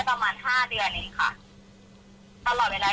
คือตอนนั้นหนูตกงานแล้วหนูก็คืนห้องเช่าหนูอยู่ห้องเช่ากับแม่